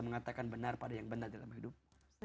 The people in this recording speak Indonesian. mengatakan benar pada yang benar dalam hidupmu